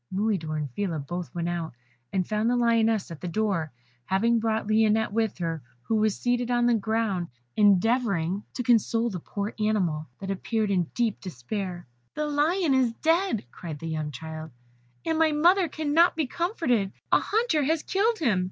Mulidor and Phila both went out, and found the Lioness at the door, having brought Lionette with her, who was seated on the ground, endeavouring to console the poor animal, that appeared in deep despair. "The Lion is dead," cried the young child, "and my mother cannot be comforted a hunter has killed him."